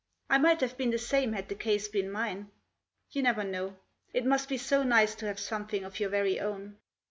I might have been the same had the case been mine. You never know. It must be so nice to have something of your very own.